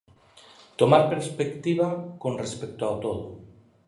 Tomar perspectiva con respecto ao todo.